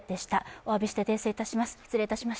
おわびして訂正いたします。